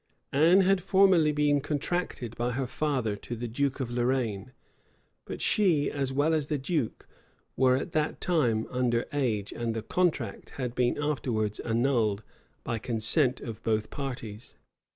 Anne had formerly been contracted by her father to the duke of Lorraine, but she, as well as the duke, were at that time under age, and the contract had been afterwards annulled by consent of both parties.